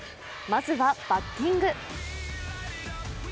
まずはバッティング。